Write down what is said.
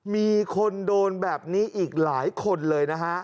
มีคนโดนแบบนี้อีกหลายคนเลยนะฮะ